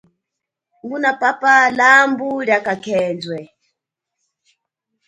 Ngunapapa lambu lia kakhendwe.